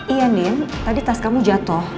iya nin tadi tas kamu jatuh